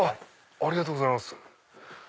ありがとうございます。